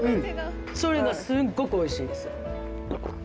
それがすっごく美味しいです。